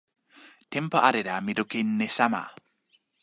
tenpo ale la mi lukin e sama.